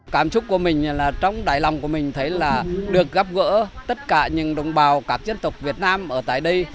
cảm xúc của mình là trong đáy lòng của mình thấy là được gặp gỡ tất cả những đồng bào các dân tộc việt nam ở tại đây